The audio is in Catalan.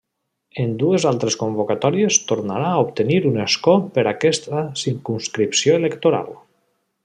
En dues altres convocatòries tornarà a obtenir un escó per aquesta circumscripció electoral.